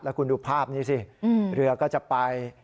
แล้วคุณดูภาพนี้สิเหลือก็จะไป